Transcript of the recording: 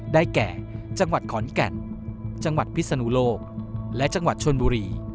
ได้แก่จังหวัดขอนแก่นจังหวัดพิศนุโลกและจังหวัดชนบุรี